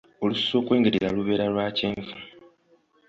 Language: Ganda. Olususu okwengerera, lubeera lwa kyenvu.